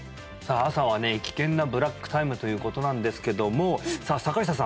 朝はね危険なブラックタイムということなんですけどもさあ坂下さん